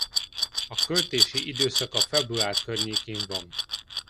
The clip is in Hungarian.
A költési időszaka február környékén van.